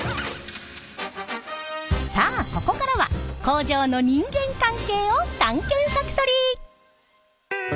さあここからは工場の人間関係を探検ファクトリー！